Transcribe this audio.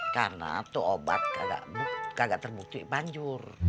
karena tuh obat kagak terbukti manjur